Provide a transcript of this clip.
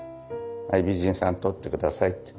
はい美人さん撮って下さい。